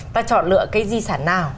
ta chọn lựa cái di sản nào